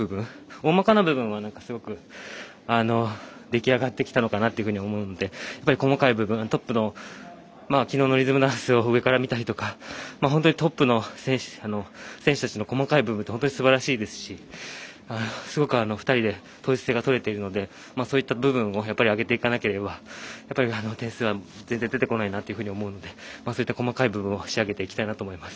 大まかな部分はすごく出来上がってきたのかなというふうに思うので、細かい部分トップのきのうのリズムダンスを上から見たりとか本当にトップの選手たちの細かい部分って本当にすばらしいですしすごく２人で統一性が取れているのでそういった部分を上げていかなければ点数は全然出てこないなというふうに思うのでそういった細かい部分を仕上げていきたいなと思います。